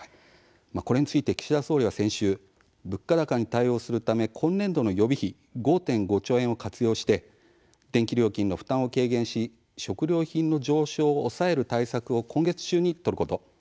これについて岸田総理は先週、物価高に対応するため今年度の予備費５．５兆円を活用して電気料金の負担を軽減し食料品の上昇を抑える対策を今月中に取ること。